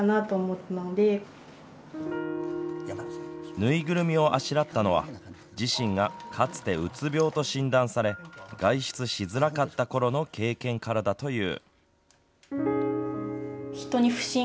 縫いぐるみをあしらったのは自身が、かつてうつ病と診断され外出しづらかったころの経験からだという。